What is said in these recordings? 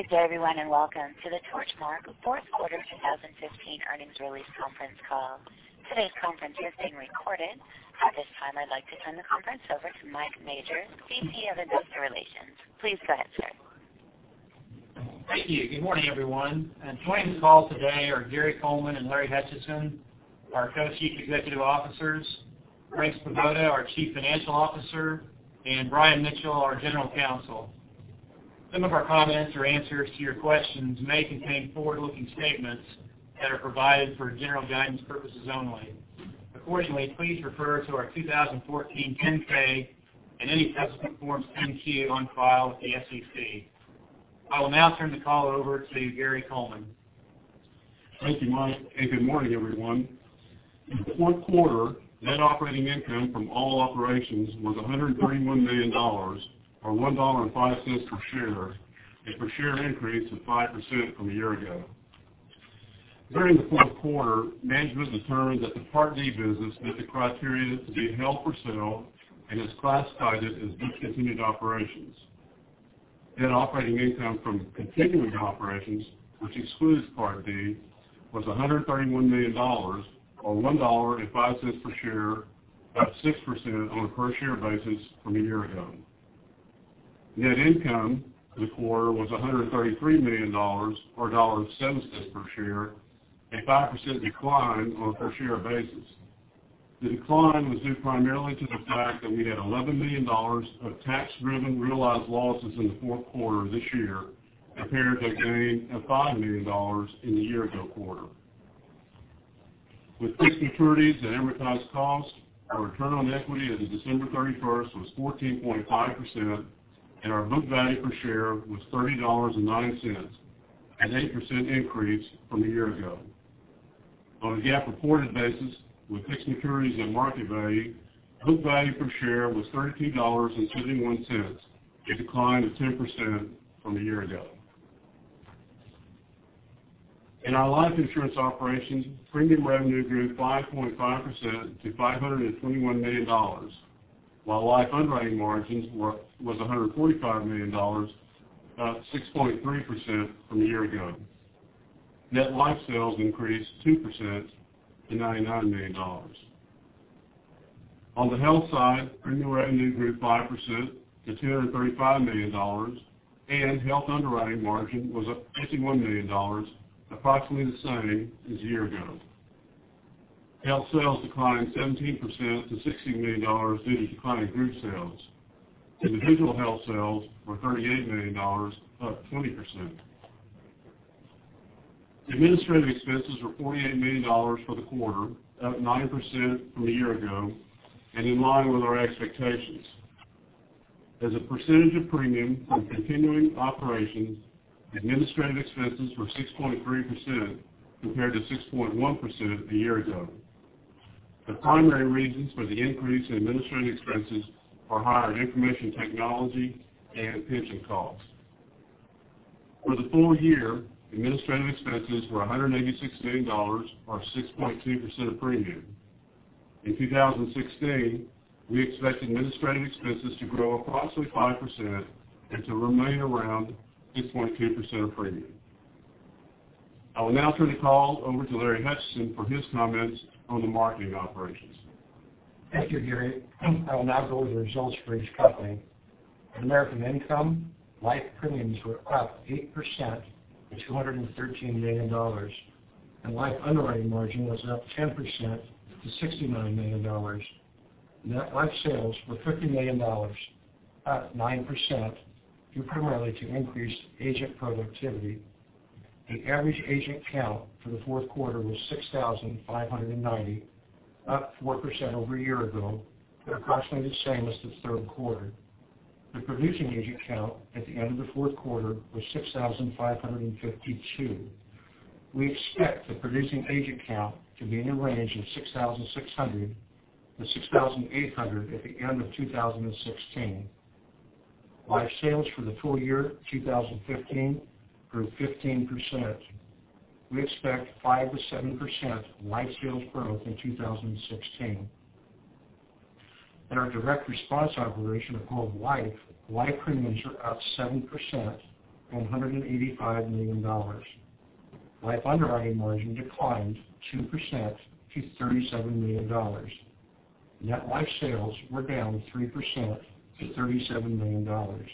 Good day everyone, welcome to the Torchmark fourth quarter 2015 earnings release conference call. Today's conference is being recorded. At this time, I'd like to turn the conference over to Mike Majors, VP of Investor Relations. Please go ahead, sir. Thank you. Good morning, everyone. Joining the call today are Gary Coleman and Larry Hutchison, our Co-Chief Executive Officers, Frank Svoboda, our Chief Financial Officer, and Brian Mitchell, our General Counsel. Some of our comments or answers to your questions may contain forward-looking statements that are provided for general guidance purposes only. Please refer to our 2014 10-K and any subsequent Forms 10-Q on file with the SEC. I will now turn the call over to Gary Coleman. Thank you, Mike, good morning, everyone. In the fourth quarter, net operating income from all operations was $131 million, or $1.05 per share, a per share increase of 5% from a year ago. During the fourth quarter, management determined that the Part D business met the criteria to be held for sale and is classified as discontinued operations. Net operating income from continuing operations, which excludes Part D, was $131 million, or $1.05 per share, up 6% on a per share basis from a year ago. Net income for the quarter was $133 million, or $1.07 per share, a 5% decline on a per share basis. The decline was due primarily to the fact that we had $11 million of tax-driven realized losses in the fourth quarter this year, compared to a gain of $5 million in the year ago quarter. With fixed maturities at amortized cost, our return on equity as of December 31st was 14.5%, and our book value per share was $30.09, an 8% increase from a year ago. On a GAAP-reported basis with fixed maturities at market value, book value per share was $32.71, a decline of 10% from a year ago. In our life insurance operations, premium revenue grew 5.5% to $521 million, while life underwriting margins was $145 million, up 6.3% from a year ago. Net life sales increased 2% to $99 million. On the health side, premium revenue grew 5% to $235 million, and health underwriting margin was up $51 million, approximately the same as a year ago. Health sales declined 17% to $16 million due to declining group sales. Individual health sales were $38 million, up 20%. Administrative expenses were $48 million for the quarter, up 9% from a year ago and in line with our expectations. As a percentage of premium from continuing operations, administrative expenses were 6.3% compared to 6.1% a year ago. The primary reasons for the increase in administrative expenses are higher information technology and pension costs. For the full year, administrative expenses were $186 million, or 6.2% of premium. In 2016, we expect administrative expenses to grow approximately 5% and to remain around 6.2% of premium. I will now turn the call over to Larry Hutchison for his comments on the marketing operations. Thank you, Gary. I will now go over the results for each company. At American Income, life premiums were up 8% to $213 million, and life underwriting margin was up 10% to $69 million. Net life sales were $50 million, up 9%, due primarily to increased agent productivity. The average agent count for the fourth quarter was 6,590, up 4% over a year ago, but approximately the same as the third quarter. The producing agent count at the end of the fourth quarter was 6,552. We expect the producing agent count to be in the range of 6,600 to 6,800 at the end of 2016. Life sales for the full year 2015 grew 15%. We expect 5% to 7% life sales growth in 2016. In our direct response operation of Globe Life, life premiums are up 7% to $185 million. Life underwriting margin declined 2% to $37 million. Net life sales were down 3% to $37 million.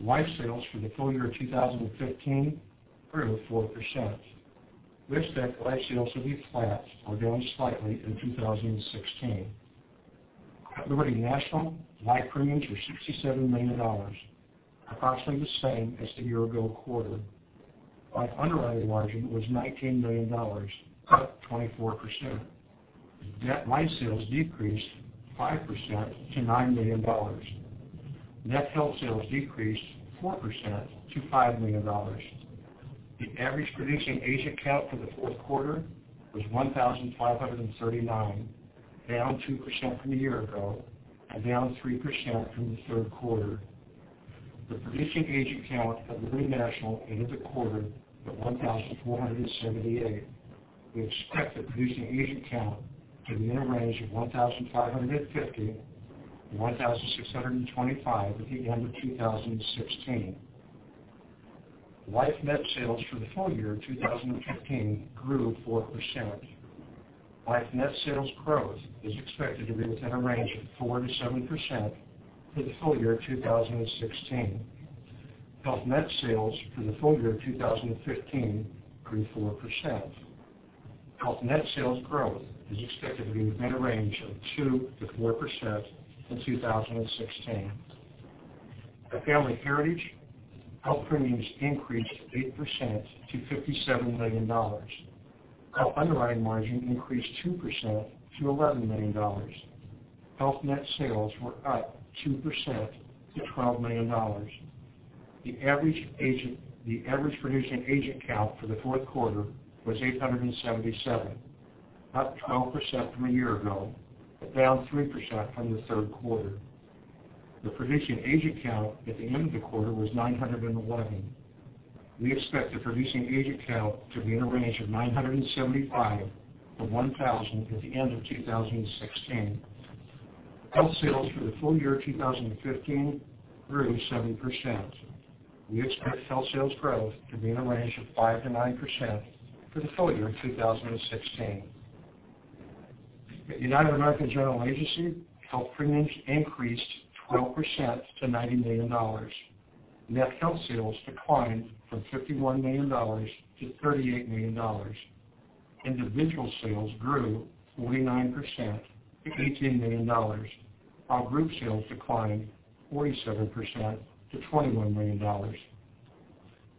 Life sales for the full year 2015 grew 4%. We expect life sales to be flat or down slightly in 2016. At Liberty National, life premiums were $67 million, approximately the same as the year-ago quarter. Life underwriting margin was $19 million, up 24%. Net life sales decreased 5% to $9 million. Net health sales decreased 4% to $5 million. The average producing agent count for the fourth quarter was 1,539, down 2% from a year ago and down 3% from the third quarter. The producing agent count at Liberty National end of the quarter was 1,478. We expect the producing agent count to be in a range of 1,550 to 1,625 at the end of 2016. Life net sales for the full year 2015 grew 4%. Life net sales growth is expected to be within a range of 4% to 7% for the full year 2016. Health net sales for the full year 2015 grew 4%. Health net sales growth is expected to be within a range of 2% to 4% in 2016. At Family Heritage, health premiums increased 8% to $57 million. Health underwriting margin increased 2% to $11 million. Health net sales were up 2% to $12 million. The average producing agent count for the fourth quarter was 877, up 12% from a year ago, but down 3% from the third quarter. The producing agent count at the end of the quarter was 911. We expect the producing agent count to be in a range of 975 to 1,000 at the end of 2016. Health sales for the full year 2015 grew 70%. We expect health sales growth to be in a range of 5%-9% for the full year 2016. At United American General Agency, health premiums increased 12% to $90 million. Net health sales declined from $51 million to $38 million. Individual sales grew 49% to $18 million, while group sales declined 47% to $21 million.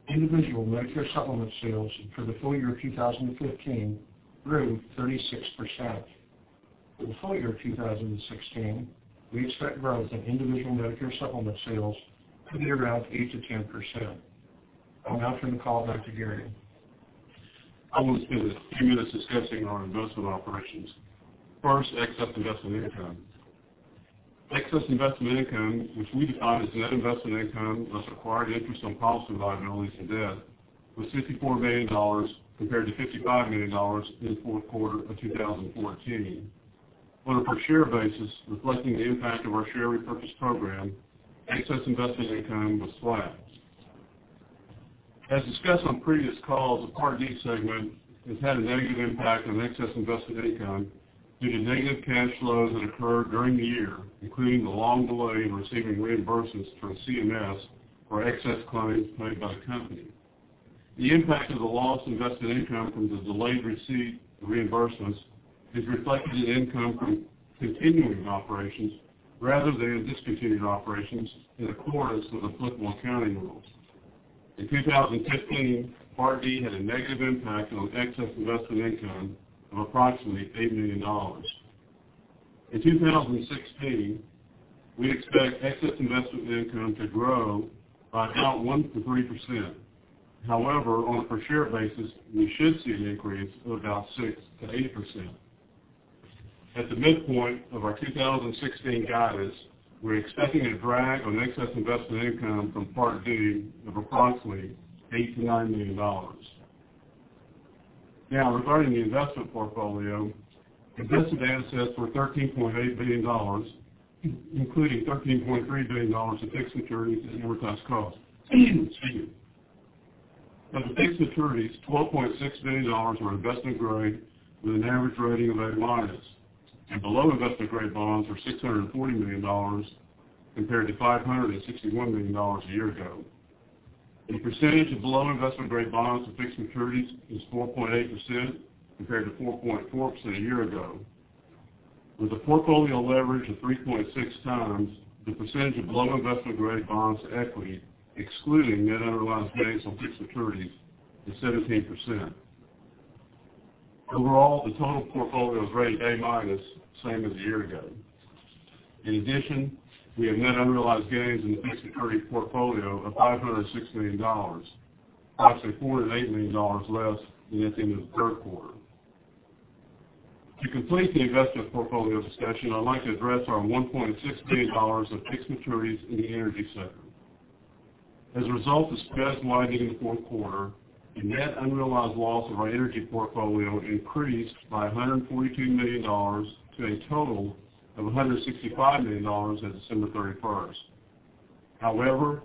Individual Medicare Supplement sales for the full year 2015 grew 36%. For the full year 2016, we expect growth in individual Medicare Supplement sales to be around 8%-10%. I'll now turn the call back to Gary. I want to spend a few minutes discussing our investment operations. First, excess investment income. Excess investment income, which we define as net investment income plus acquired interest on policy loan liabilities and debt, was $54 million compared to $55 million in fourth quarter of 2014. On a per share basis, reflecting the impact of our share repurchase program, excess investment income was flat. As discussed on previous calls, the Part D segment has had a negative impact on excess investment income due to negative cash flows that occur during the year, including the long delay in receiving reimbursements from CMS for excess claims made by the company. The impact of the lost investment income from the delayed receipt of reimbursements is reflected in income from continuing operations rather than discontinued operations in accordance with applicable accounting rules. In 2015, Part D had a negative impact on excess investment income of approximately $8 million. In 2016, we expect excess investment income to grow by about 1%-3%. However, on a per share basis, we should see an increase of about 6%-8%. At the midpoint of our 2016 guidance, we're expecting a drag on excess investment income from Part D of approximately $8 million-$9 million. Regarding the investment portfolio, invested assets were $13.8 billion, including $13.3 billion of fixed maturities and amortized cost. Excuse me. Of the fixed maturities, $12.6 billion were investment grade with an average rating of A minus, and below investment-grade bonds were $640 million compared to $561 million a year ago. The percentage of below investment-grade bonds to fixed maturities was 4.8%, compared to 4.4% a year ago. With a portfolio leverage of 3.6 times, the percentage of below investment-grade bonds to equity, excluding net unrealized gains on fixed maturities, is 17%. Overall, the total portfolio is rated A minus, same as a year ago. In addition, we have net unrealized gains in the fixed maturity portfolio of $506 million, approximately $4 million-$8 million less than at the end of the third quarter. To complete the investment portfolio discussion, I'd like to address our $1.6 billion of fixed maturities in the energy sector. As a result of spreads widening in the fourth quarter, the net unrealized loss of our energy portfolio increased by $142 million to a total of $165 million as of December 31st. However,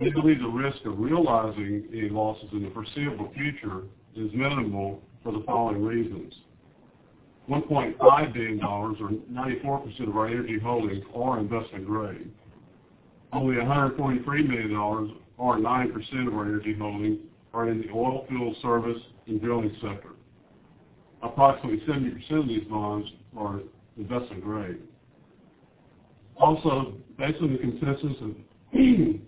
we believe the risk of realizing any losses in the foreseeable future is minimal for the following reasons: $1.5 billion or 94% of our energy holdings are investment grade. Only $123 million or 9% of our energy holdings are in the oilfield service and drilling sector. Approximately 70% of these bonds are investment grade. Also, based on the consensus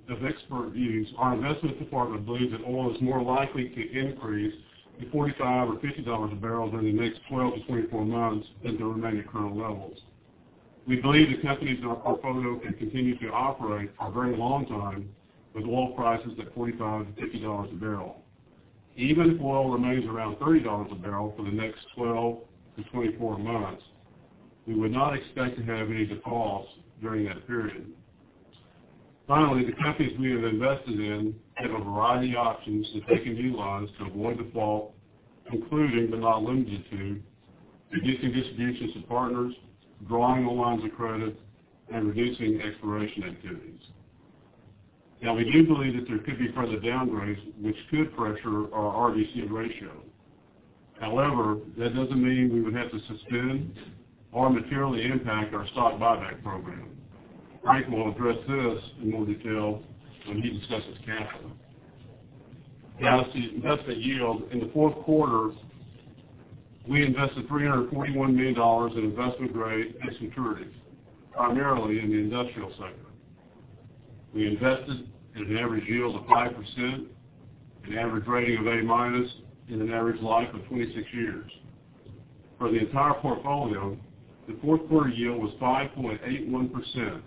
of expert views, our investment department believes that oil is more likely to increase to $45 or $50 a barrel during the next 12 to 24 months than to remain at current levels. We believe the companies in our portfolio can continue to operate for a very long time with oil prices at $45 to $50 a barrel. Even if oil remains around $30 a barrel for the next 12 to 24 months, we would not expect to have any defaults during that period. The companies we have invested in have a variety of options that they can utilize to avoid default, including, but not limited to, reducing distributions to partners, drawing on lines of credit, and reducing exploration activities. We do believe that there could be further downgrades which could pressure our RBC ratio. That doesn't mean we would have to suspend or materially impact our stock buyback program. Frank will address this in more detail when he discusses capital. To investment yield. In the fourth quarter, we invested $341 million in investment-grade asset securities, primarily in the industrial sector. We invested at an average yield of 5%, an average rating of A-minus, and an average life of 26 years. For the entire portfolio, the fourth quarter yield was 5.81%,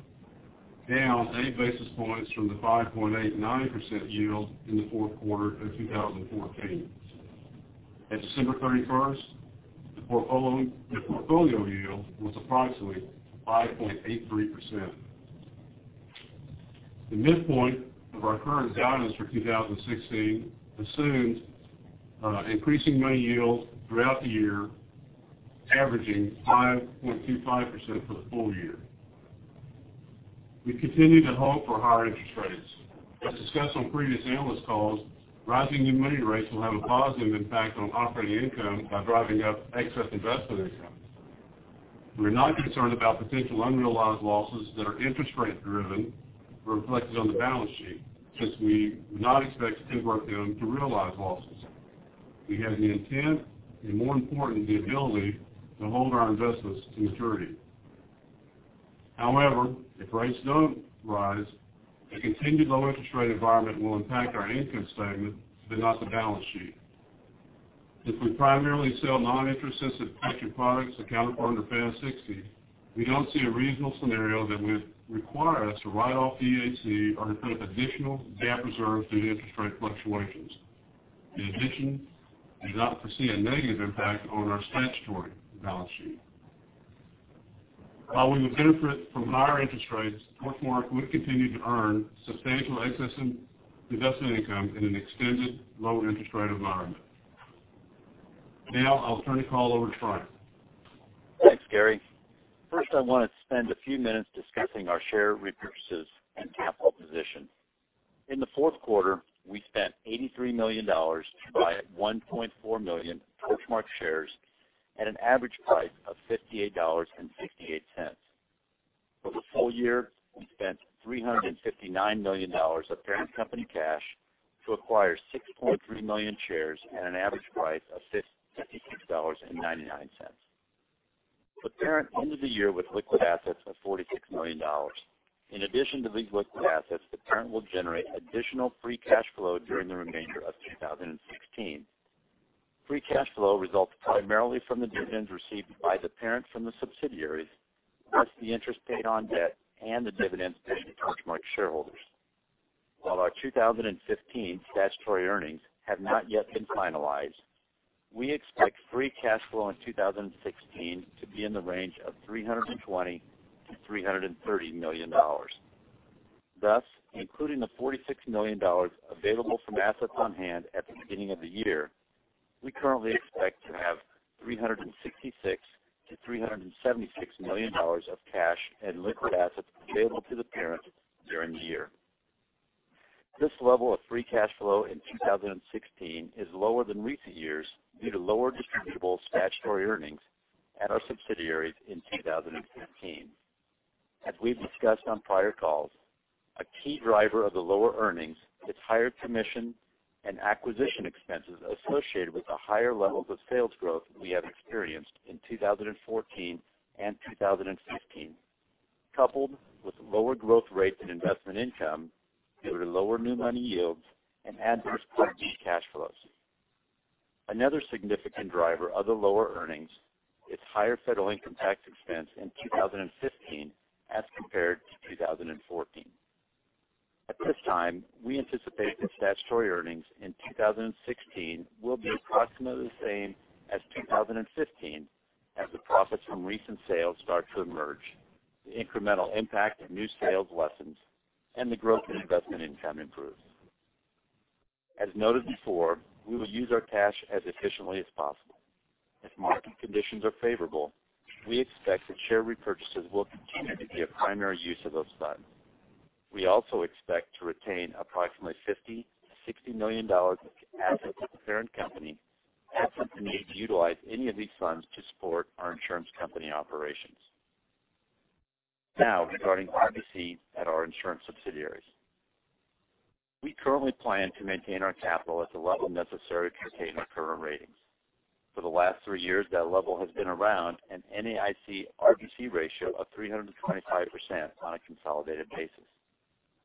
down eight basis points from the 5.89% yield in the fourth quarter of 2014. At December 31st, the portfolio yield was approximately 5.83%. The midpoint of our current guidance for 2016 assumes increasing money yields throughout the year, averaging 5.25% for the full year. We continue to hope for higher interest rates. As discussed on previous analyst calls, rising new money rates will have a positive impact on operating income by driving up excess investment income. We're not concerned about potential unrealized losses that are interest rate driven reflected on the balance sheet because we do not expect to convert them to realized losses. We have the intent and, more important, the ability to hold our investments to maturity. If rates don't rise, a continued low interest rate environment will impact our income statement, but not the balance sheet. If we primarily sell non-interest sensitive packaged products accounted for under FAS 60, we don't see a reasonable scenario that would require us to write off DAC or to put up additional GAAP reserves due to interest rate fluctuations. In addition, we do not foresee a negative impact on our statutory balance sheet. While we would benefit from higher interest rates, Torchmark would continue to earn substantial excess investment income in an extended low interest rate environment. I'll turn the call over to Frank. Thanks, Gary. First, I want to spend a few minutes discussing our share repurchases and capital position. In the fourth quarter, we spent $83 million to buy 1.4 million Torchmark shares at an average price of $58.68. For the full year, we spent $359 million of parent company cash to acquire 6.3 million shares at an average price of $56.99. The parent ended the year with liquid assets of $46 million. In addition to these liquid assets, the parent will generate additional free cash flow during the remainder of 2016. Free cash flow results primarily from the dividends received by the parent from the subsidiaries, plus the interest paid on debt and the dividends paid to Torchmark shareholders. While our 2015 statutory earnings have not yet been finalized, we expect free cash flow in 2016 to be in the range of $320 million-$330 million. Including the $46 million available from assets on hand at the beginning of the year, we currently expect to have $366 million-$376 million of cash and liquid assets available to the parent during the year. This level of free cash flow in 2016 is lower than recent years due to lower distributable statutory earnings at our subsidiaries in 2015. As we've discussed on prior calls, a key driver of the lower earnings is higher commission and acquisition expenses associated with the higher levels of sales growth we have experienced in 2014 and 2015, coupled with lower growth rates in investment income due to lower new money yields and adverse bond cash flows. Another significant driver of the lower earnings is higher federal income tax expense in 2015 as compared to 2014. At this time, we anticipate that statutory earnings in 2016 will be approximately the same as 2015 as the profits from recent sales start to emerge, the incremental impact of new sales lessens, and the growth in investment income improves. As noted before, we will use our cash as efficiently as possible. If market conditions are favorable, we expect that share repurchases will continue to be a primary use of those funds. We also expect to retain approximately $50 million-$60 million of assets at the parent company absent the need to utilize any of these funds to support our insurance company operations. Regarding RBC at our insurance subsidiaries. We currently plan to maintain our capital at the level necessary to retain our current ratings. For the last three years, that level has been around an NAIC RBC ratio of 325% on a consolidated basis.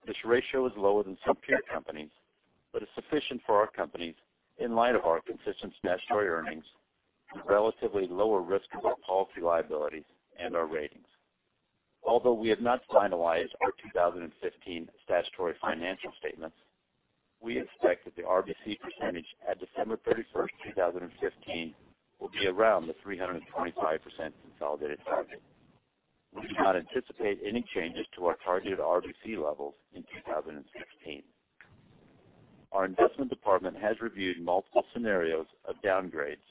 This ratio is lower than some peer companies, is sufficient for our companies in light of our consistent statutory earnings, the relatively lower risk of our policy liabilities, and our ratings. Although we have not finalized our 2015 statutory financial statements, we expect that the RBC percentage at December 31st, 2015, will be around the 325% consolidated target. We do not anticipate any changes to our targeted RBC levels in 2016. Our investment department has reviewed multiple scenarios of downgrades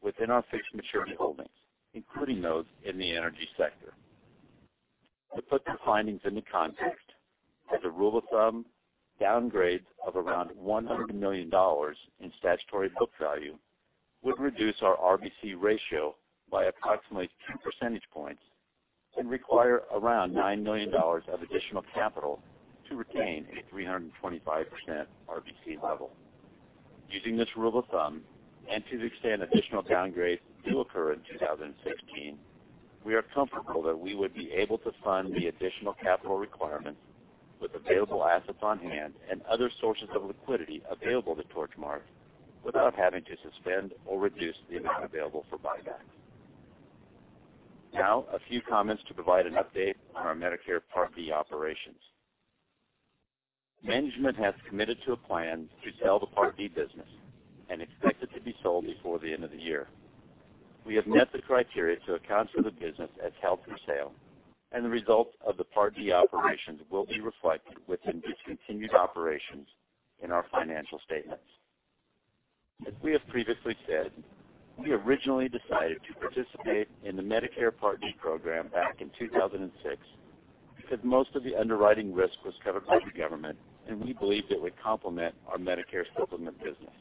within our fixed maturity holdings, including those in the energy sector. To put the findings into context, as a rule of thumb, downgrades of around $100 million in statutory book value would reduce our RBC ratio by approximately two percentage points and require around $9 million of additional capital to retain a 325% RBC level. Using this rule of thumb, to the extent additional downgrades do occur in 2016, we are comfortable that we would be able to fund the additional capital requirements with available assets on hand and other sources of liquidity available to Torchmark without having to suspend or reduce the amount available for buybacks. A few comments to provide an update on our Medicare Part D operations. Management has committed to a plan to sell the Part D business and expect it to be sold before the end of the year. We have met the criteria to account for the business as held for sale, and the result of the Part D operations will be reflected within discontinued operations in our financial statements. We have previously said, we originally decided to participate in the Medicare Part D program back in 2006 because most of the underwriting risk was covered by the government, we believed it would complement our Medicare Supplement business.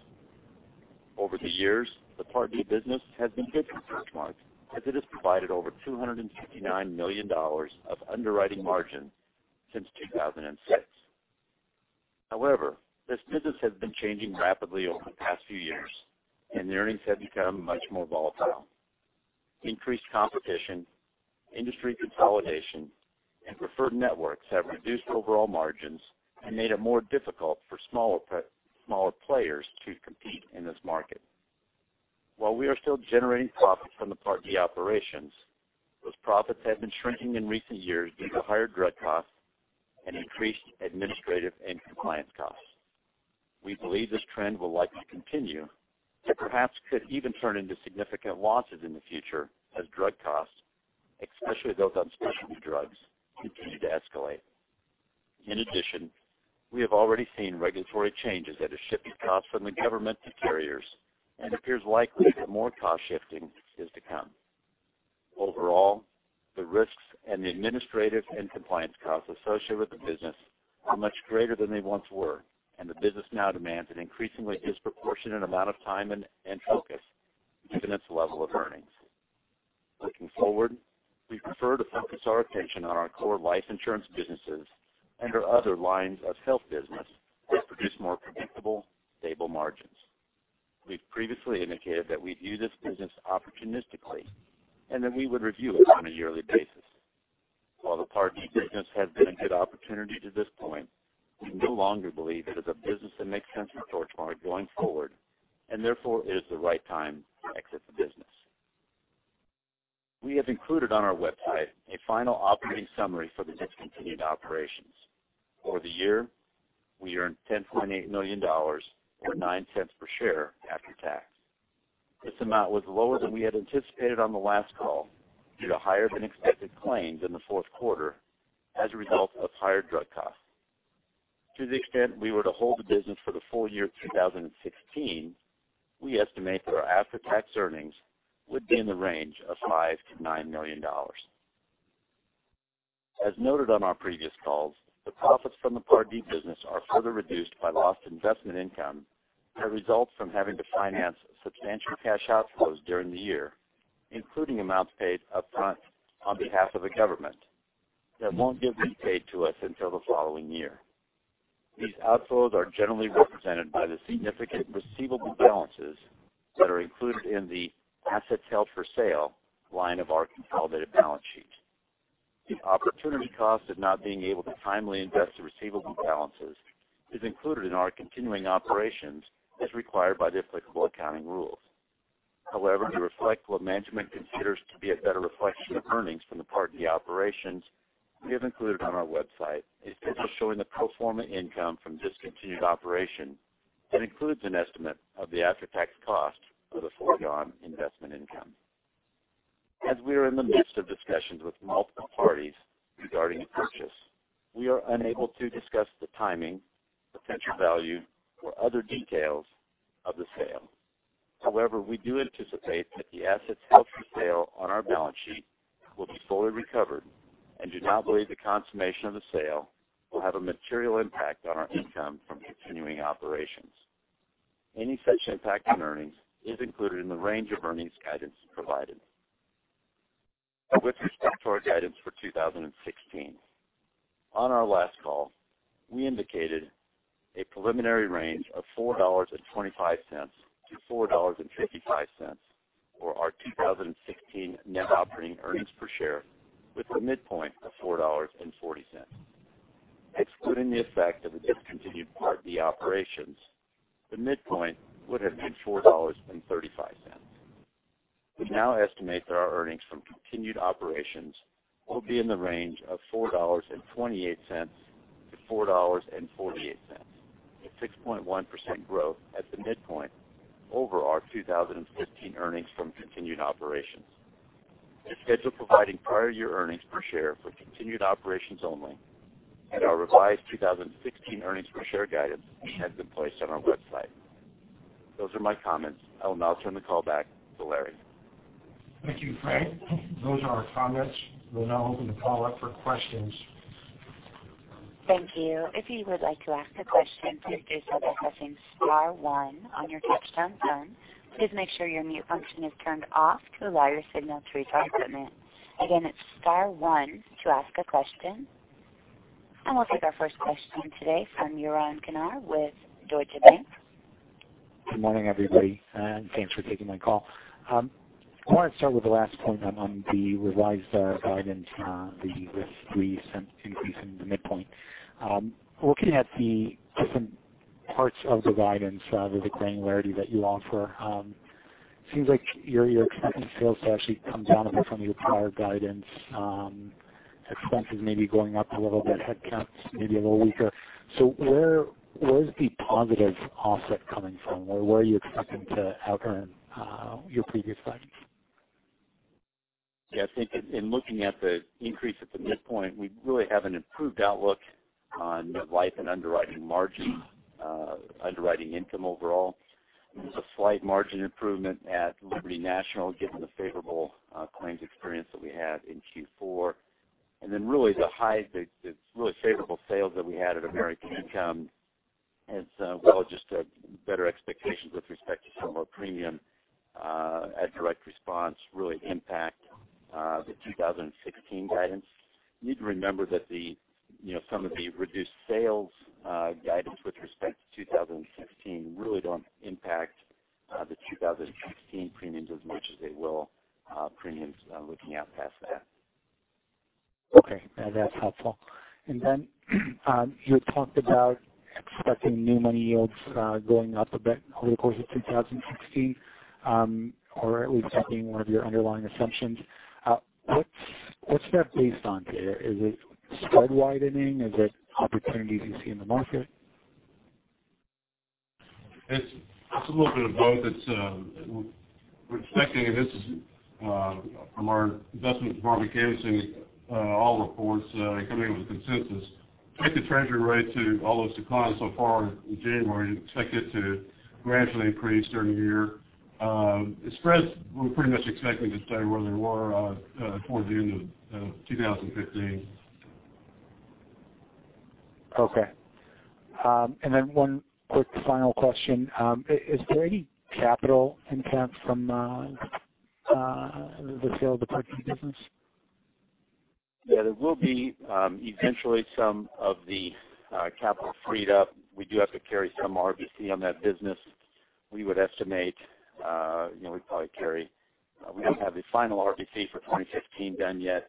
Over the years, the Part D business has been good for Torchmark as it has provided over $259 million of underwriting margin since 2006. This business has been changing rapidly over the past few years, and the earnings have become much more volatile. Increased competition, industry consolidation, preferred networks have reduced overall margins and made it more difficult for smaller players to compete in this market. While we are still generating profits from the Part D operations, those profits have been shrinking in recent years due to higher drug costs and increased administrative and compliance costs. We believe this trend will likely continue, perhaps could even turn into significant losses in the future as drug costs, especially those on specialty drugs, continue to escalate. We have already seen regulatory changes that have shifted costs from the government to carriers, and it appears likely that more cost shifting is to come. The risks and the administrative and compliance costs associated with the business are much greater than they once were, and the business now demands an increasingly disproportionate amount of time and focus given its level of earnings. Looking forward, we prefer to focus our attention on our core life insurance businesses and our other lines of health business that produce more predictable, stable margins. We've previously indicated that we view this business opportunistically and that we would review it on a yearly basis. While the Part D business has been a good opportunity to this point, we no longer believe it is a business that makes sense for Torchmark going forward, therefore, it is the right time to exit the business. We have included on our website a final operating summary for the discontinued operations. Over the year, we earned $10.8 million, or $0.09 per share after tax. This amount was lower than we had anticipated on the last call due to higher-than-expected claims in the fourth quarter as a result of higher drug costs. To the extent we were to hold the business for the full year 2016, we estimate that our after-tax earnings would be in the range of $5 million to $9 million. As noted on our previous calls, the profits from the Part D business are further reduced by lost investment income that results from having to finance substantial cash outflows during the year, including amounts paid upfront on behalf of the government that won't get repaid to us until the following year. These outflows are generally represented by the significant receivable balances that are included in the assets held for sale line of our consolidated balance sheet. The opportunity cost of not being able to timely invest the receivable balances is included in our continuing operations as required by the applicable accounting rules. However, to reflect what management considers to be a better reflection of earnings from the Part D operations, we have included on our website a schedule showing the pro forma income from discontinued operation that includes an estimate of the after-tax cost of the foregone investment income. As we are in the midst of discussions with multiple parties regarding a purchase, we are unable to discuss the timing, potential value, or other details of the sale. We do anticipate that the assets held for sale on our balance sheet will be fully recovered and do not believe the consummation of the sale will have a material impact on our income from continuing operations. Any such impact on earnings is included in the range of earnings guidance provided. With respect to our guidance for 2016, on our last call, we indicated a preliminary range of $4.25-$4.55 for our 2016 net operating earnings per share, with a midpoint of $4.40. Excluding the effect of the discontinued Part D operations, the midpoint would have been $4.35. We now estimate that our earnings from continued operations will be in the range of $4.28-$4.48. A 6.1% growth at the midpoint over our 2015 earnings from continued operations. A schedule providing prior year earnings per share for continued operations only, and our revised 2016 earnings per share guidance has been placed on our website. Those are my comments. I will now turn the call back to Larry. Thank you, Frank. Those are our comments. We're now open the call up for questions. Thank you. If you would like to ask a question, please do so by pressing star one on your touch-tone phone. Please make sure your mute function is turned off to allow your signal to reach our equipment. Again, it's star one to ask a question. We'll take our first question today from Yaron Kinar with Deutsche Bank. Good morning, everybody, thanks for taking my call. I wanted to start with the last point on the revised guidance, the recent increase in the midpoint. Looking at the different parts of the guidance with the granularity that you offer, it seems like your expected sales actually come down a bit from your prior guidance. Expenses maybe going up a little bit, headcounts maybe a little weaker. Where's the positive offset coming from? Where are you expecting to out earn your previous guidance? Yeah, I think in looking at the increase at the midpoint, we really have an improved outlook on net life and underwriting margin, underwriting income overall. There's a slight margin improvement at Liberty National, given the favorable claims experience that we had in Q4. Really the really favorable sales that we had at American Income, as well as just better expectations with respect to some of our premium at direct response really impact the 2016 guidance. You need to remember that some of the reduced sales guidance with respect to 2016 really don't impact the 2016 premiums as much as they will premiums looking out past that. Okay. That's helpful. You had talked about expecting new money yields going up a bit over the course of 2016, or at least that being one of your underlying assumptions. What's that based on, data? Is it spread widening? Is it opportunities you see in the market? It's a little bit of both. We're expecting, this is from our investments department canvassing all reports and coming up with a consensus, take the Treasury rate to all those declines so far in January, and expect it to gradually increase during the year. Spreads we're pretty much expecting to stay where they were towards the end of 2015. Okay. Then one quick final question. Is there any capital impact from the sale of the Part D business? Yeah, there will be eventually some of the capital freed up. We do have to carry some RBC on that business. We would estimate we'd probably carry, we don't have a final RBC for 2015 done yet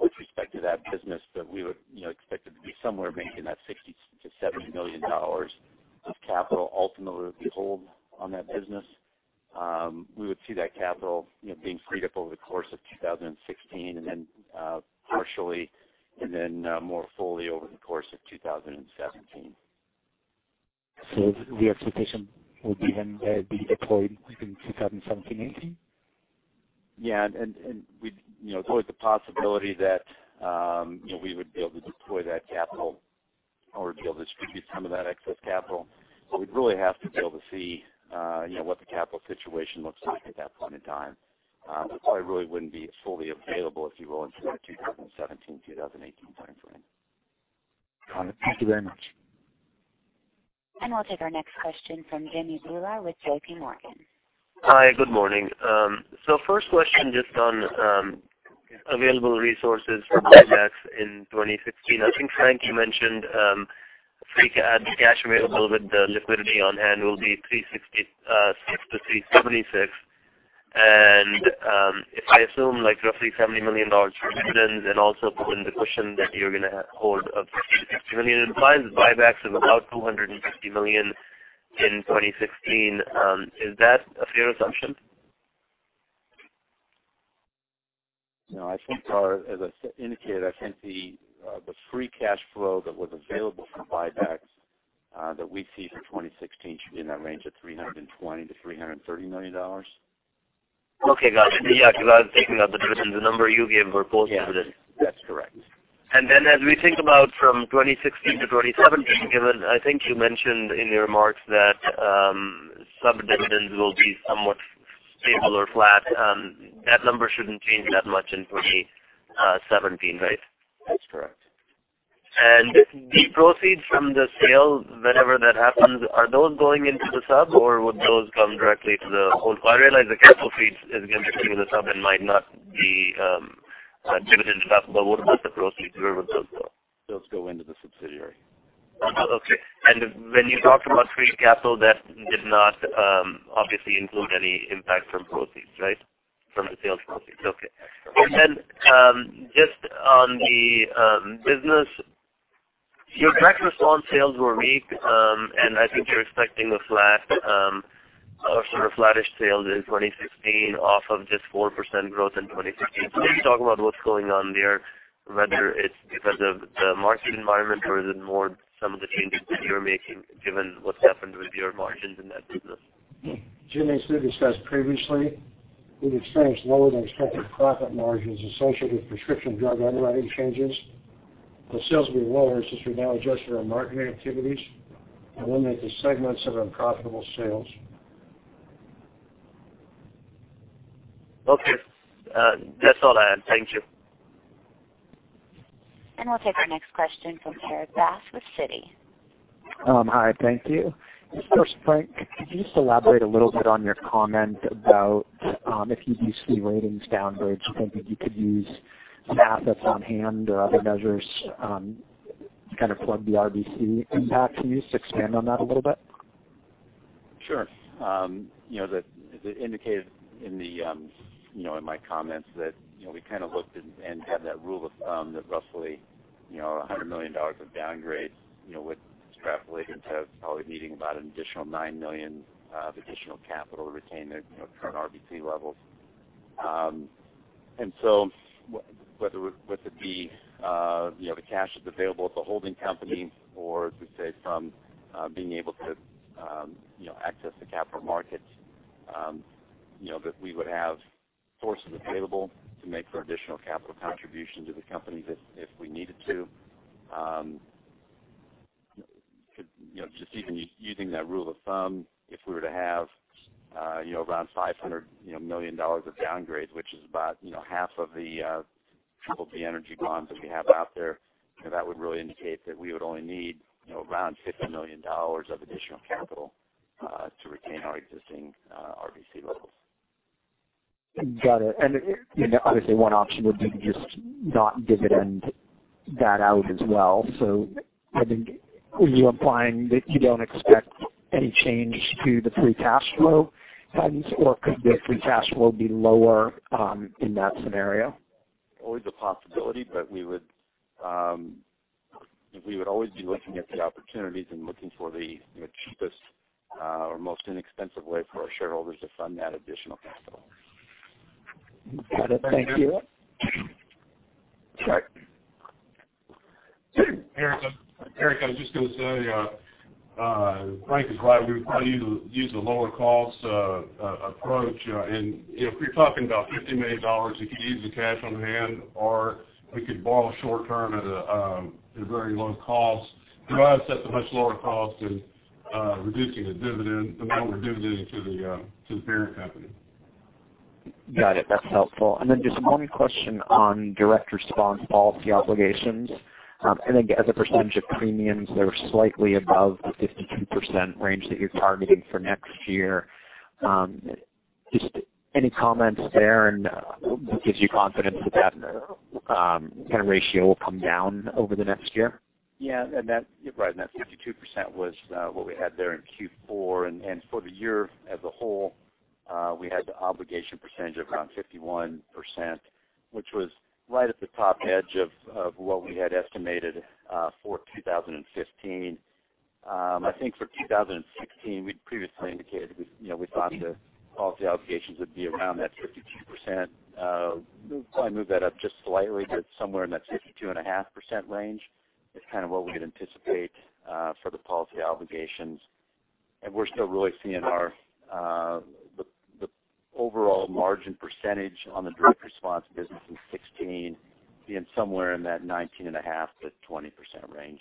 with respect to that business, but we would expect it to be somewhere maybe in that $60 million-$70 million of capital ultimately would be hold on that business. We would see that capital being freed up over the course of 2016, then partially and then more fully over the course of 2017. The expectation would be then that'd be deployed in 2017, 2018? Yeah, there's always the possibility that we would be able to deploy that capital or be able to distribute some of that excess capital. We'd really have to be able to see what the capital situation looks like at that point in time. It probably really wouldn't be fully available, if you will, until the 2017, 2018 timeframe. Got it. Thank you very much. We'll take our next question from Jimmy Bhullar with JPMorgan. Hi. Good morning. First question just on available resources for buybacks in 2016. I think, Frank, you mentioned free cash available with the liquidity on hand will be $366 million-$376 million. If I assume roughly $70 million for dividends and also put in the cushion that you're going to hold of $50 million-$60 million, implies buybacks of about $250 million in 2016. Is that a fair assumption? No, I think as I indicated, I think the free cash flow that was available for buybacks that we see for 2016 should be in that range of $320 million to $330 million. Okay, got it. Yeah, because I was taking out the dividends, the number you gave were post dividends. Yeah. That's correct. As we think about from 2016 to 2017, given I think you mentioned in your remarks that such dividends will be somewhat stable or flat. That number shouldn't change that much in 2017, right? That's correct. The proceeds from the sale, whenever that happens, are those going into the sub or would those come directly to the whole? I realize the capital freed is going to stay with the sub and might not be dividends up, but what about the proceeds? Where would those go? Those go into the subsidiary. When you talked about free capital, that did not obviously include any impact from proceeds, right? From the sales proceeds. Your direct response sales were weak, and I think you're expecting a flat or sort of flattish sales in 2016 off of just 4% growth in 2015. Can you talk about what's going on there, whether it's because of the market environment or is it more some of the changes that you're making given what's happened with your margins in that business? Jimmy, as we discussed previously, we've experienced lower than expected profit margins associated with prescription drug underwriting changes. Our sales will be lower since we've now adjusted our marketing activities to eliminate the segments of unprofitable sales. Okay. That's all I had. Thank you. We'll take our next question from Erik Bass with Citi. Hi, thank you. First, Frank, could you elaborate a little bit on your comment about if you do see ratings downgrade, you think that you could use some assets on hand or other measures to kind of plug the RBC impact? Can you expand on that a little bit? Sure. As I indicated in my comments that we kind of looked and had that rule of thumb that roughly $100 million of downgrade would extrapolate into us probably needing about an additional $9 million of additional capital to retain the current RBC levels. Whether it be the cash that's available at the holding company or, say, from being able to access the capital markets, that we would have sources available to make for additional capital contribution to the company if we needed to. Just even using that rule of thumb, if we were to have around $500 million of downgrade, which is about half of the Triple B energy bonds that we have out there, that would really indicate that we would only need around $50 million of additional capital to retain our existing RBC levels. Got it. Obviously, one option would be to just not dividend that out as well. I think, are you implying that you don't expect any change to the free cash flow patterns, or could the free cash flow be lower in that scenario? Always a possibility, but we would always be looking at the opportunities and looking for the cheapest or most inexpensive way for our shareholders to fund that additional capital. Got it. Thank you. Erik, I was just going to say Frank is right. We would probably use a lower cost approach. If we're talking about $50 million, we could use the cash on hand, or we could borrow short term at a very low cost. That's a much lower cost than reducing the dividend, the amount we're dividending to the parent company. Got it. That's helpful. Then just one question on direct response policy obligations. I think as a percentage of premiums, they're slightly above the 52% range that you're targeting for next year. Just any comments there, what gives you confidence that that kind of ratio will come down over the next year? Yeah. That, you're right, that 52% was what we had there in Q4. For the year as a whole, we had the obligation percentage of around 51%, which was right at the top edge of what we had estimated for 2015. I think for 2016, we'd previously indicated we thought the policy obligations would be around that 52%. We'll probably move that up just slightly to somewhere in that 52.5% range is kind of what we'd anticipate for the policy obligations. We're still really seeing the overall margin percentage on the direct response business in 2016 being somewhere in that 19.5%-20% range.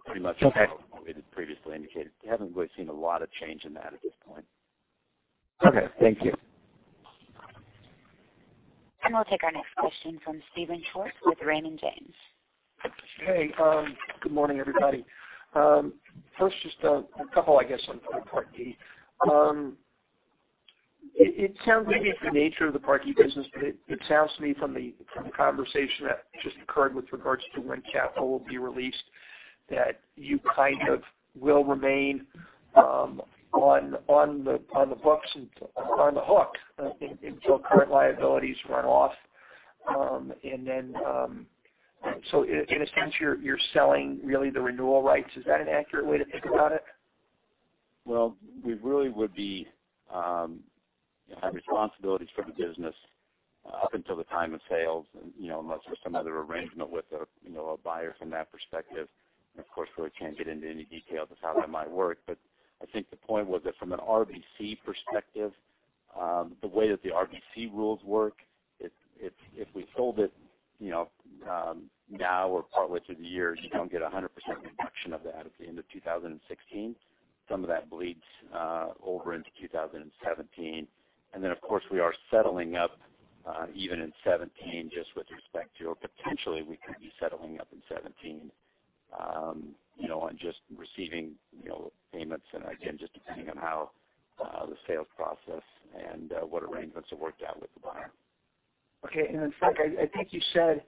Okay. Pretty much what we had previously indicated. We haven't really seen a lot of change in that at this point. Okay. Thank you. We'll take our next question from Steven Schwartz with Raymond James. Hey, good morning, everybody. First, just a couple, I guess, on Part D. It sounds maybe it's the nature of the Part D business, but it sounds to me from the conversation that just occurred with regards to when capital will be released, that you kind of will remain on the books and on the hook until current liabilities run off. In a sense, you're selling really the renewal rights. Is that an accurate way to think about it? Well, we really would have responsibilities for the business up until the time of sales, unless there's some other arrangement with a buyer from that perspective. Of course, really can't get into any details of how that might work. I think the point was that from an RBC perspective, the way that the RBC rules work, if we sold it now or partway through the year, you don't get 100% deduction of that at the end of 2016. Some of that bleeds over into 2017. Of course, we are settling up even in 2017, just with respect to or potentially we could be settling up in 2017, on just receiving payments and again, just depending on how the sales process and what arrangements are worked out with the buyer. Okay. Frank, I think you said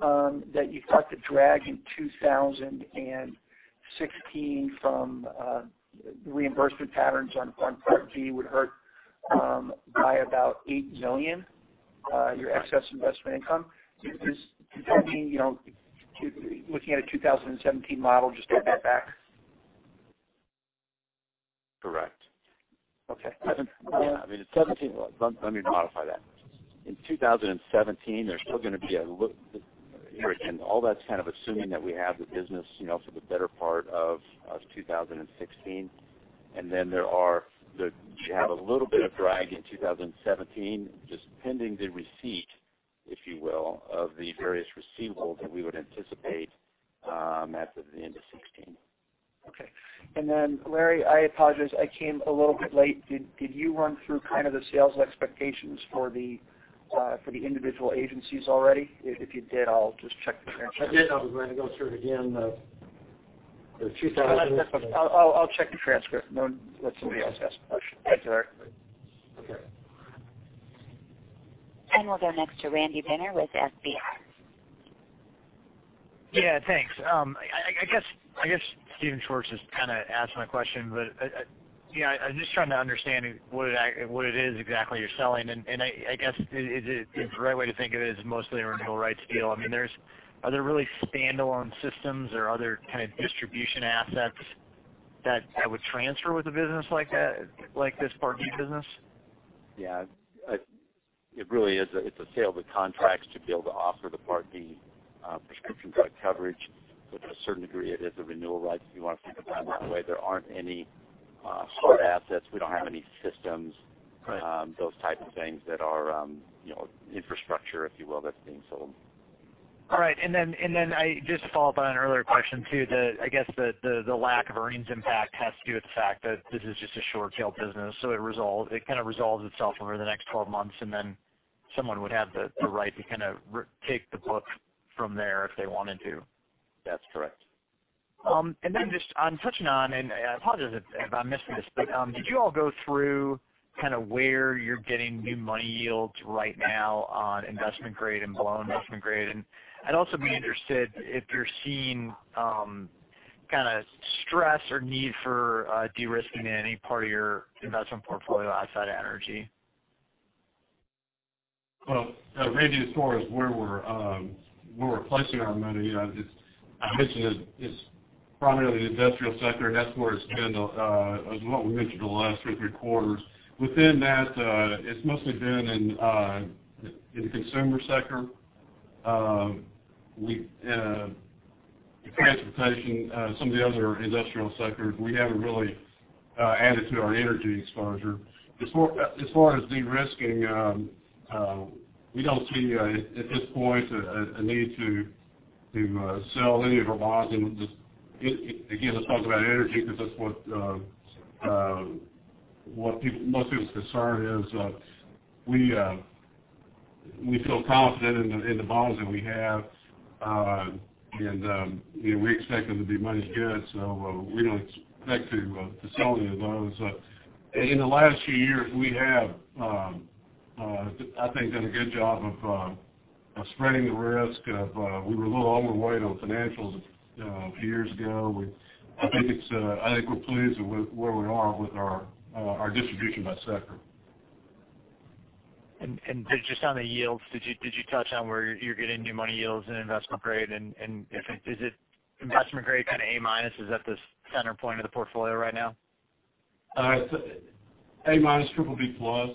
that you thought the drag in 2016 from reimbursement patterns on Part D would hurt by about $8 million? Your excess investment income. Does that mean, looking at a 2017 model, just go back? Correct. Okay. Let me modify that. In 2017, all that's assuming that we have the business for the better part of 2016. You have a little bit of drag in 2017, just pending the receipt, if you will, of the various receivables that we would anticipate at the end of 2016. Okay. Larry, I apologize. I came a little bit late. Did you run through the sales expectations for the individual agencies already? If you did, I'll just check the transcript. I did. I was going to go through it again. I'll check the transcript. Let somebody else ask the question. That's all right. Okay. We'll go next to Randy Binner with FBR & Company. Thanks. I guess Steven Schwartz just asked my question, but I'm just trying to understand what it is exactly you're selling, and I guess the right way to think of it is mostly a renewal rights deal. Are there really standalone systems or are there distribution assets that would transfer with a business like this Part D business? It really is. It's a sale of the contracts to be able to offer the Part D prescription drug coverage. To a certain degree, it is the renewal rights, if you want to think of them that way. There aren't any hard assets. We don't have any systems. Right. Those type of things that are infrastructure, if you will, that is being sold. Just to follow up on an earlier question, too, I guess the lack of earnings impact has to do with the fact that this is just a short-tail business, so it kind of resolves itself over the next 12 months, and then someone would have the right to take the book from there if they wanted to. That is correct. Just touching on, and I apologize if I missed this, but did you all go through where you are getting new money yields right now on investment grade and below investment grade? I would also be interested if you are seeing stress or need for de-risking in any part of your investment portfolio outside of energy. Well, Randy, as far as where we're placing our money, I mentioned it's primarily the industrial sector, and that's where it's been, as what we mentioned the last two or three quarters. Within that, it's mostly been in the consumer sector. In transportation, some of the other industrial sectors, we haven't really added to our energy exposure. As far as de-risking, we don't see, at this point, a need to sell any of our bonds. Again, let's talk about energy because that's what most people's concern is. We feel confident in the bonds that we have, and we expect them to be money good. We don't expect to sell any of those. In the last few years, we have, I think, done a good job of spreading the risk. We were a little overweight on financials a few years ago. I think we're pleased with where we are with our distribution by sector. Just on the yields, did you touch on where you're getting new money yields in investment grade? Is investment grade kind of A-minus? Is that the center point of the portfolio right now? A-minus, BBB-plus.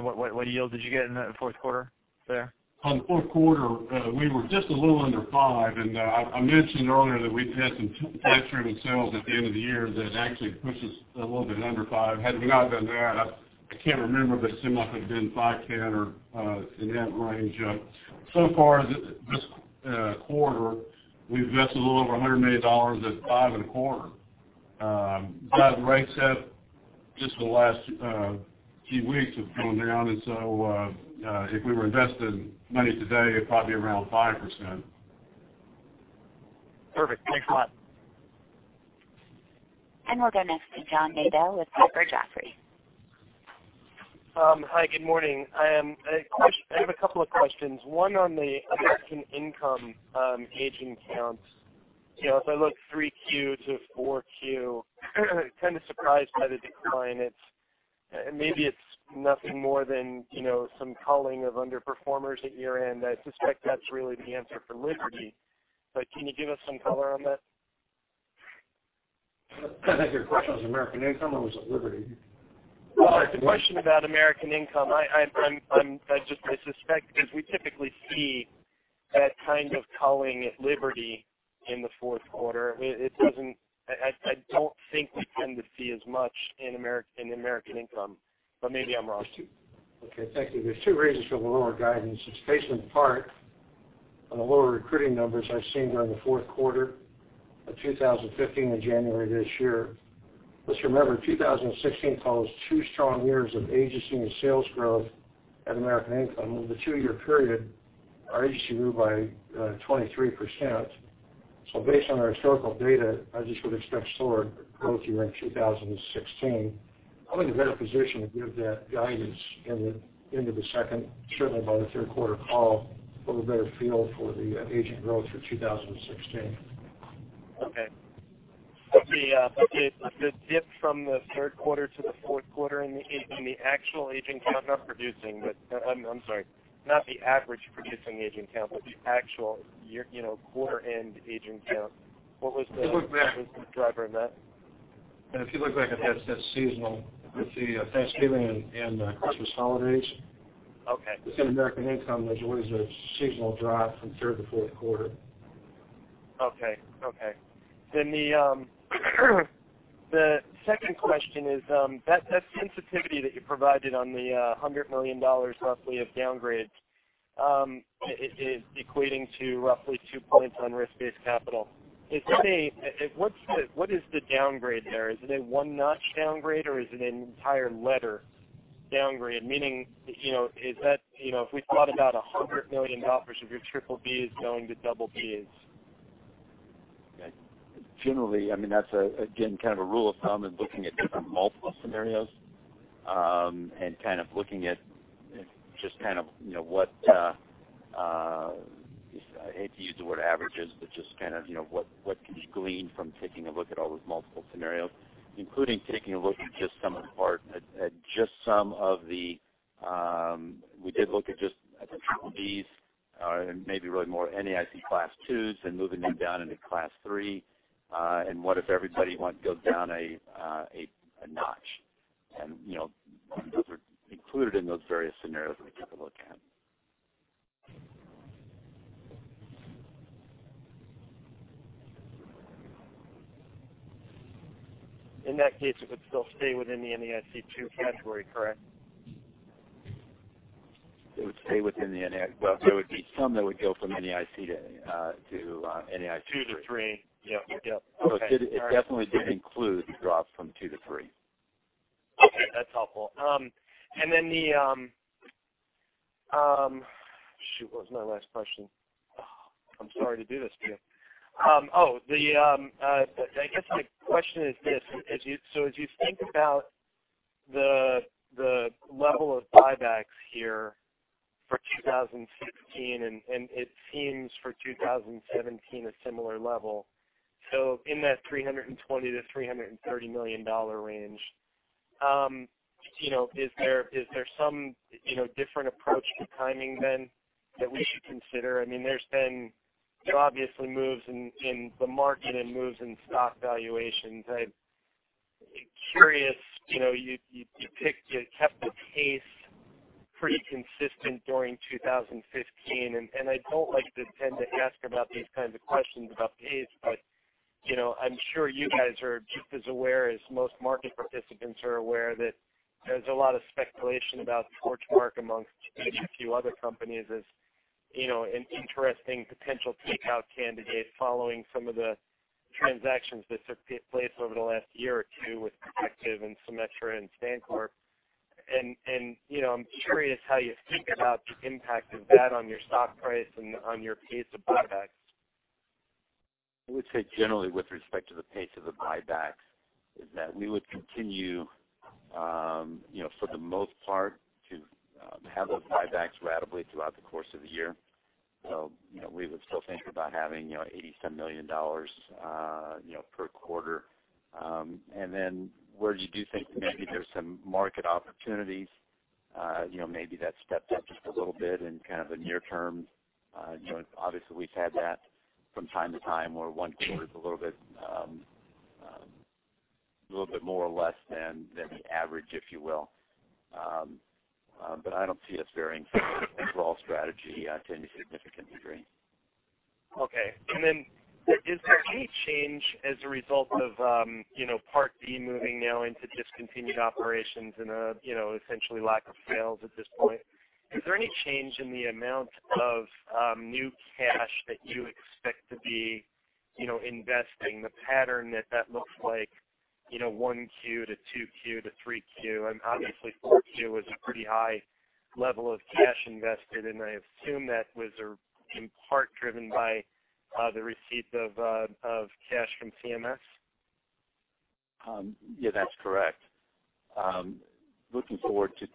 What yield did you get in the fourth quarter there? The fourth quarter, we were just a little under 5%, and I mentioned earlier that we'd had some tax treatment sales at the end of the year that actually pushed us a little bit under 5%. Had we not done that, I can't remember, but it seemed like it had been 5.10% or in that range. So far this quarter, we've invested a little over $100 million at 5.25%. Rates have, just in the last few weeks, have gone down. If we were investing money today, it'd probably be around 5%. Perfect. Thanks a lot. We'll go next to John Nadel with Piper Jaffray. Hi, good morning. I have a couple of questions, one on the American Income agent counts. If I look 3Q to 4Q, kind of surprised by the decline. Maybe it's nothing more than some culling of underperformers at your end. I suspect that's really the answer for Liberty. Can you give us some color on that? I think your question was American Income or was it Liberty? Well, it's a question about American Income. I suspect because we typically see that kind of culling at Liberty in the fourth quarter. I don't think we tend to see as much in American Income. Maybe I'm wrong. Okay, thank you. There's two reasons for the lower guidance. It's based in part on the lower recruiting numbers I've seen during the fourth quarter of 2015 and January of this year. Let's remember, 2016 follows two strong years of agency and sales growth at American Income. Over the two-year period, our agency grew by 23%. Based on our historical data, I just would expect slower growth here in 2016. I'll be in a better position to give that guidance into the second, certainly by the third quarter call, we'll have a better feel for the agent growth for 2016. Okay. The dip from the third quarter to the fourth quarter in the actual agent count, not producing, but I'm sorry, not the average producing agent count, but the actual quarter-end agent count. What was the- If you look back- -driver in that? If you look back at that seasonal with the Thanksgiving and Christmas holidays. Okay. Within American Income, there's always a seasonal drop from third to fourth quarter. The second question is that sensitivity that you provided on the $100 million roughly of downgrades is equating to roughly two points on risk-based capital. What is the downgrade there? Is it a one-notch downgrade, or is it an entire letter downgrade? Meaning, if we thought about $100 million of your BBB is going to BB's. Generally, that's, again, kind of a rule of thumb in looking at different multiple scenarios, and kind of looking at just kind of what I hate to use the word averages, but just kind of what can be gleaned from taking a look at all those multiple scenarios, including taking a look at just some of the We did look at just at the BBBs, or maybe really more NAIC Class 2, and moving them down into Class 3. What if everybody goes down a notch. Those are included in those various scenarios we took a look at. In that case, it would still stay within the NAIC 2 category, correct? It would stay within the NAIC. There would be some that would go from NAIC to NAIC 3. Two to three. Yep. Okay. All right. It definitely did include the drop from two to three. Okay, that's helpful. Shoot, what was my last question? I'm sorry to do this to you. I guess my question is this. As you think about the level of buybacks here for 2016, and it seems for 2017, a similar level, in that $320 million-$330 million range. Is there some different approach to timing then that we should consider? There's been obviously moves in the market and moves in stock valuations. I'm curious, you kept the pace pretty consistent during 2015. I don't like to tend to ask about these kinds of questions about pace, but I'm sure you guys are just as aware as most market participants are aware that there's a lot of speculation about Torchmark amongst maybe a few other companies as an interesting potential takeout candidate following some of the transactions that took place over the last year or two with Protective and Symetra and StanCorp. I'm curious how you think about the impact of that on your stock price and on your pace of buybacks. I would say generally with respect to the pace of the buybacks is that we would continue, for the most part, to have those buybacks ratably throughout the course of the year. We would still think about having $87 million per quarter. Where you do think maybe there's some market opportunities, maybe that steps up just a little bit in kind of the near term. Obviously, we've had that from time to time where one quarter is a little bit more or less than the average, if you will. I don't see us varying from the overall strategy to any significant degree. Okay. Is there any change as a result of Part D moving now into discontinued operations and essentially lack of sales at this point? Is there any change in the amount of new cash that you expect to be investing, the pattern that that looks like, 1Q to 2Q to 3Q, and obviously 4Q was a pretty high level of cash invested, and I assume that was in part driven by the receipt of cash from CMS? Yeah, that's correct. Looking forward to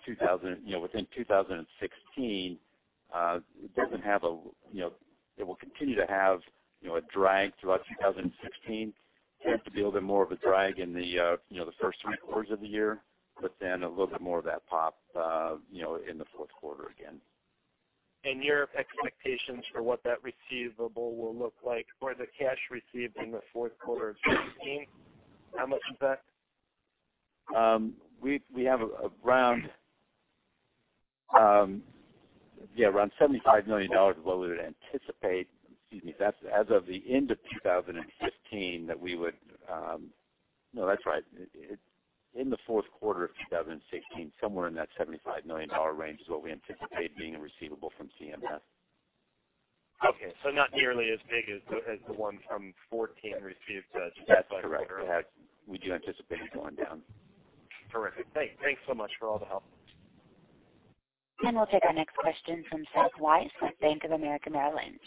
within 2016, it will continue to have a drag throughout 2016. Tends to be a little bit more of a drag in the first three quarters of the year, a little bit more of that pop in the fourth quarter again. Your expectations for what that receivable will look like or the cash received in the fourth quarter of 2016, how much is that? We have around $75 million is what we would anticipate. In the fourth quarter of 2016, somewhere in that $75 million range is what we anticipate being a receivable from CMS. Okay. Not nearly as big as the one from 2014 received the $2.5 billion. That's correct. We do anticipate it going down. Terrific. Thanks so much for all the help. We'll take our next question from Seth Weiss with Bank of America Merrill Lynch.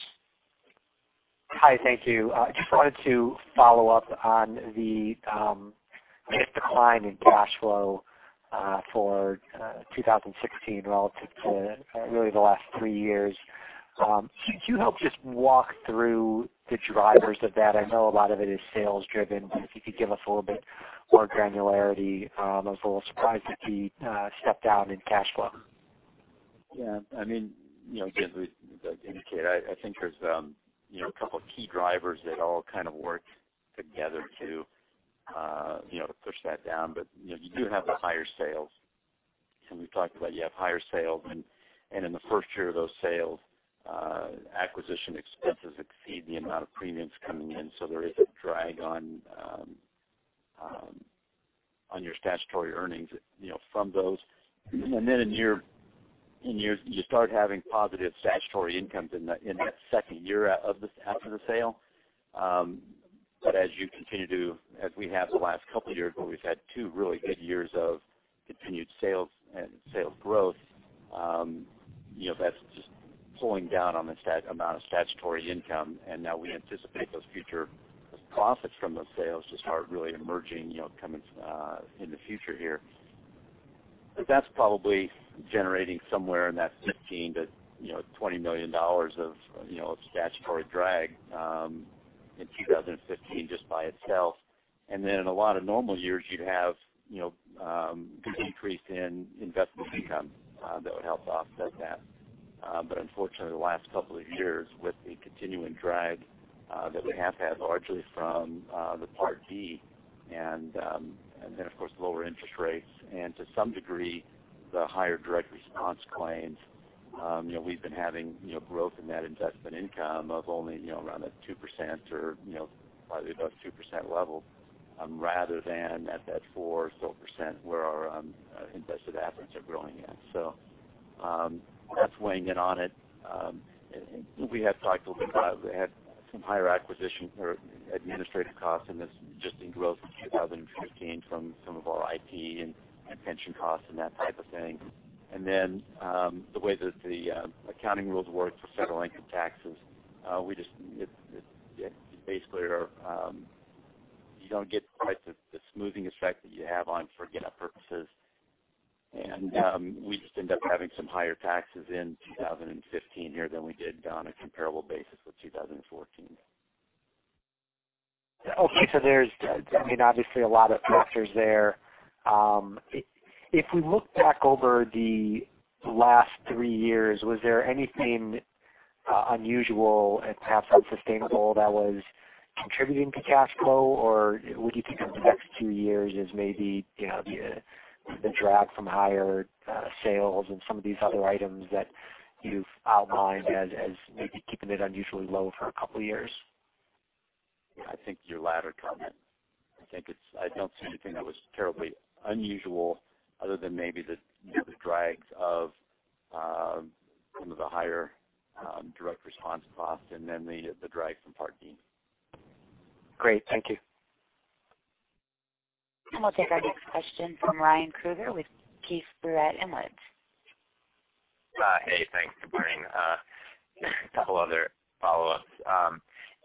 Hi, thank you. Just wanted to follow up on the big decline in cash flow for 2016 relative to really the last three years. Could you help just walk through the drivers of that? I know a lot of it is sales driven, but if you could give us a little bit more granularity. I was a little surprised at the step down in cash flow. Yeah. As I indicated, I think there's a couple of key drivers that all kind of work together to push that down. You do have the higher sales, and we've talked about you have higher sales, and in the first year of those sales, acquisition expenses exceed the amount of premiums coming in. So there is a drag on your statutory earnings from those. Then you start having positive statutory incomes in that second year after the sale. As you continue to, as we have the last couple of years, where we've had two really good years of continued sales and sales growth, that's just pulling down on the amount of statutory income. Now we anticipate those future profits from those sales just start really emerging, coming in the future here. That's probably generating somewhere in that $15 million-$20 million of statutory drag in 2015 just by itself. In a lot of normal years, you'd have the decrease in investment income that would help offset that. Unfortunately, the last couple of years with the continuing drag that we have had largely from the Part D and then, of course, lower interest rates and to some degree the higher direct response claims, we've been having growth in that investment income of only around a 2% or probably about 2% level rather than at that 4% or so where our invested assets are growing at. That's weighing in on it. We have talked a little bit about, we had some higher acquisition or administrative costs, and this just inroads in 2015 from some of our IT and pension costs and that type of thing. The way that the accounting rules work for federal income taxes, basically, you don't get quite the smoothing effect that you have on, for GAAP purposes. We just end up having some higher taxes in 2015 here than we did on a comparable basis with 2014. Okay. There's obviously a lot of factors there. If we look back over the last three years, was there anything unusual and perhaps unsustainable that was contributing to cash flow, or would you think of the next few years as maybe the drag from higher sales and some of these other items that you've outlined as maybe keeping it unusually low for a couple of years? Yeah, I think your latter comment. I don't see anything that was terribly unusual other than maybe the drags of some of the higher direct response costs and then the drag from Part D. Great. Thank you. We'll take our next question from Ryan Krueger with Keefe, Bruyette & Woods. Hey, thanks. Good morning. A couple other follow-ups.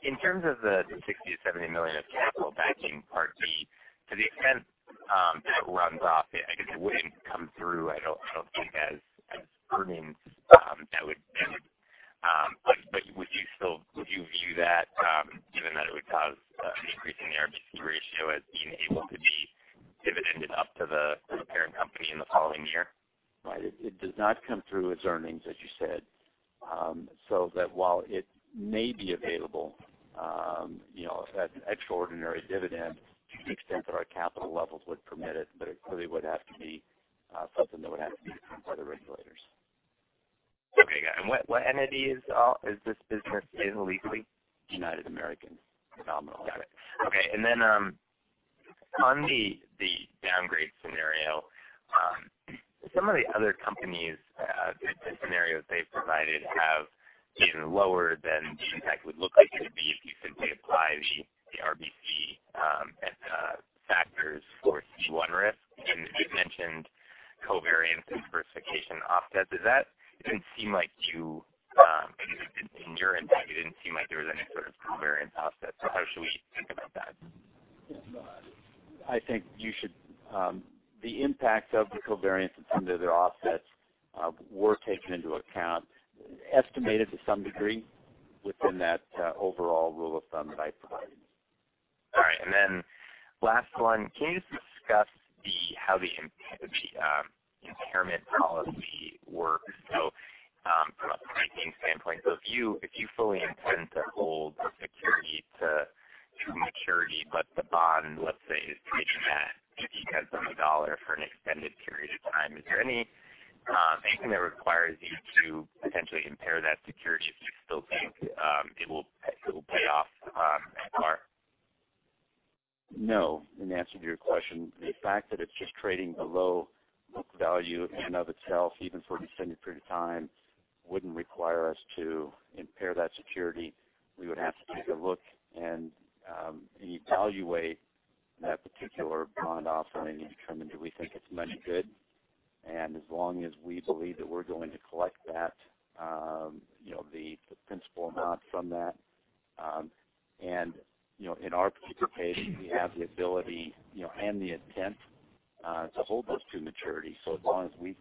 In terms of the $60 million-$70 million of capital backing Part D, to the extent that it runs off, I guess it wouldn't come through, I don't think, as earnings. Would you view that, given that it would cause an increase in the RBC ratio as being able to be dividended up to the parent company in the following year? Right. It does not come through as earnings, as you said. While it may be available as an extraordinary dividend to the extent that our capital levels would permit it, but it clearly would have to be something that would have to be approved by the regulators. Okay, got it. What entity is this business in legally? United American. Got it. Okay. On the downgrade scenario, some of the other companies, the scenarios they've provided have even lower than the impact would look like it would be if you simply apply the RBC factors for C1 risk. You mentioned covariance and diversification offset. Maybe in your impact, it didn't seem like there was any sort of covariance offset. How should we think about that? I think the impact of the covariance and some of the other offsets were taken into account, estimated to some degree within that overall rule of thumb that I provided. All right. Last one. Can you just discuss how the impairment policy works? From a pricing standpoint, if you fully intend to hold the security to maturity, but the bond, let's say, is trading at $0.50 on the dollar for an extended period of time, is there anything that requires you to potentially impair that security if you still think it will pay off at par? No, in answer to your question. The fact that it's just trading below book value in and of itself, even for an extended period of time, wouldn't require us to impair that security. We would have to take a look and evaluate that particular bond offering and determine, do we think it's money good? As long as we believe that we're going to collect the principal amount from that, in our particular case, we have the ability and the intent to hold those to maturity. As long as we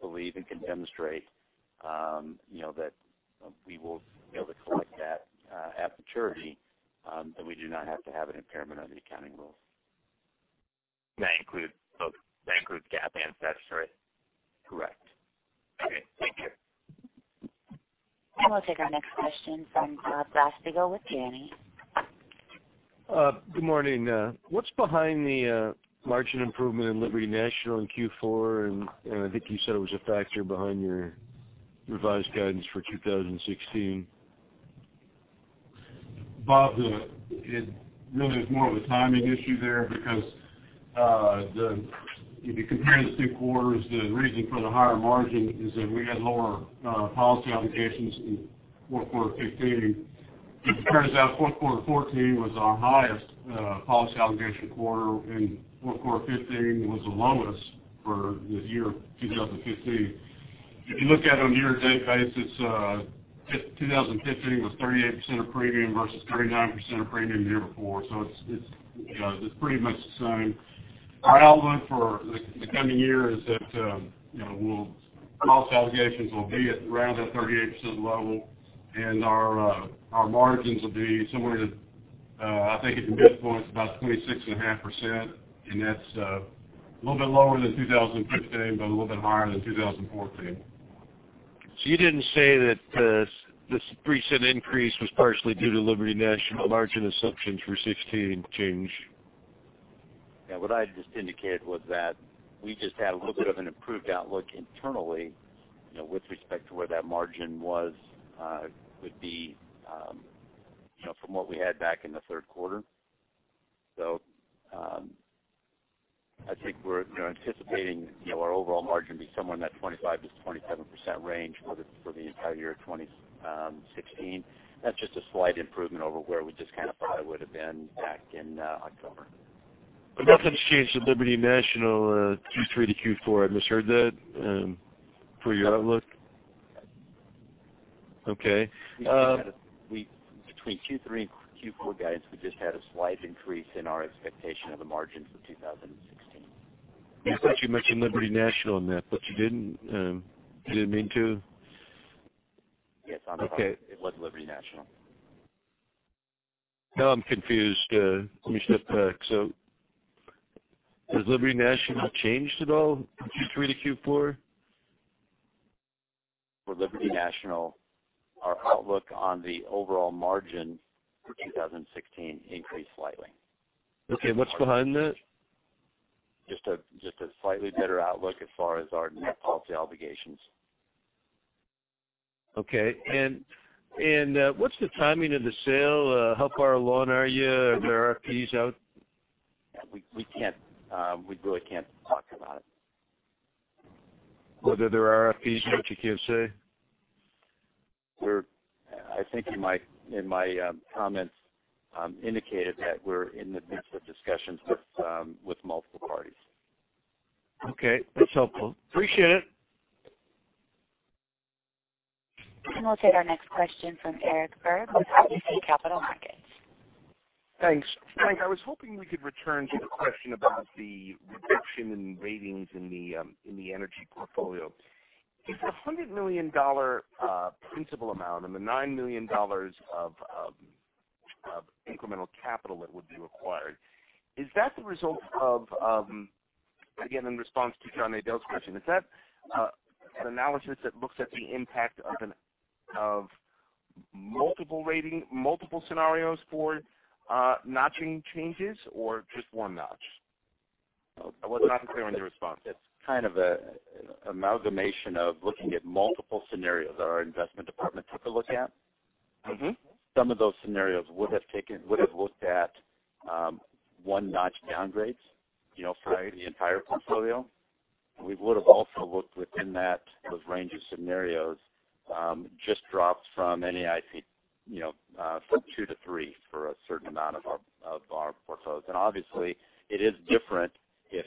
believe and can demonstrate that we will be able to collect that at maturity, then we do not have to have an impairment under the accounting rules. That includes both. That includes GAAP and statutory? Correct. Okay, thank you. We'll take our next question from Bob Glasspiegel with Janney. Good morning. What is behind the margin improvement in Liberty National in Q4? I think you said it was a factor behind your revised guidance for 2016. Bob, it really is more of a timing issue there because if you are comparing the two quarters, the reason for the higher margin is that we had lower policy obligations in Q4 2015. As it turns out, Q4 2014 was our highest policy obligation quarter, and Q4 2015 was the lowest for the year 2015. If you look at it on a year-to-date basis, 2015 was 38% of premium versus 39% of premium the year before. It is pretty much the same. Our outlook for the coming year is that policy obligations will be around that 38% level and our margins will be somewhere to, I think at the midpoint it is about 26.5%, and that is a little bit lower than 2015, but a little bit higher than 2014. You did not say that this recent increase was partially due to Liberty National margin assumptions for 2016 change? Yeah, what I just indicated was that we just had a little bit of an improved outlook internally, with respect to where that margin was, could be from what we had back in the third quarter. I think we're anticipating our overall margin be somewhere in that 25%-27% range for the entire year 2016. That's just a slight improvement over where we just kind of thought it would've been back in October. Nothing's changed with Liberty National Q3 to Q4. I misheard that for your outlook? Okay. Between Q3 and Q4 guidance, we just had a slight increase in our expectation of the margins for 2016. I thought you mentioned Liberty National in that, you didn't. You didn't mean to? Yes. Okay. It was Liberty National. Now I'm confused. Let me step back. Has Liberty National changed at all from Q3 to Q4? For Liberty National, our outlook on the overall margin for 2016 increased slightly. Okay. What's behind that? Just a slightly better outlook as far as our net policy obligations. Okay. What's the timing of the sale? How far along are you? Are there RFP out? We really can't talk about it. Whether there are RFP is what you can't say? I think in my comments indicated that we're in the midst of discussions with multiple parties. Okay. That's helpful. Appreciate it. We'll take our next question from Eric Berg with RBC Capital Markets. Thanks. Frank, I was hoping we could return to the question about the reduction in ratings in the energy portfolio. If the $100 million principal amount and the $9 million of incremental capital that would be required, is that the result of, again, in response to John Nadel's question, is that an analysis that looks at the impact of multiple scenarios for notching changes or just one notch? I was not clear on your response. It's kind of an amalgamation of looking at multiple scenarios that our investment department took a look at. Some of those scenarios would've looked at one-notch downgrades prior to the entire portfolio. We would've also looked within that range of scenarios, just drops from any NAIC from 2 to 3 for a certain amount of our portfolios. Obviously it is different if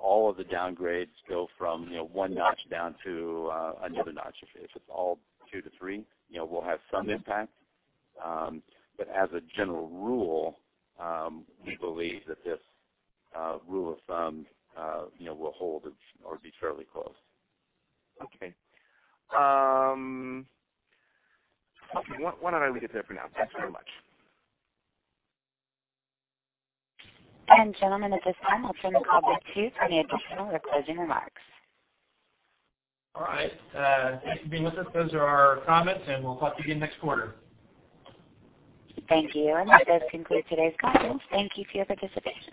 all of the downgrades go from one notch down to another notch. If it's all 2 to 3, we'll have some impact. As a general rule, we believe that this rule of thumb will hold or be fairly close. Okay. Why don't I leave it there for now? Thanks very much. Gentlemen, at this time, I'll turn the call back to you for any additional or closing remarks. All right. Thanks for being with us. Those are our comments. We'll talk to you again next quarter. Thank you. That does conclude today's conference. Thank you for your participation.